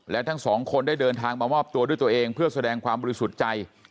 และทั้งสองคนได้เดินทางมามอบตัวด้วยตัวเองเพื่อแสดงความบริสุทธิ์ใจ